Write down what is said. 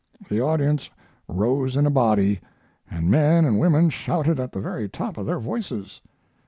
The audience rose in a body, and men and women shouted at the very top of their voices.